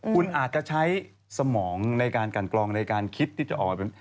คุณอาจจะใช้สมองในการกันกรองในการคิดที่จะออกมาเป็น